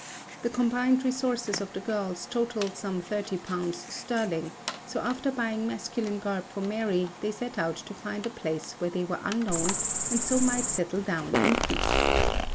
The combined resources of the girls totalled some thirty pounds sterling, so after buying masculine garb for Mary they set out to find a place where they were unknown and so might settle down in peace.